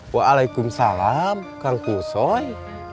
waalaikumsalam kang kusoy